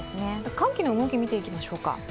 寒気の動きを見ていきましょうか。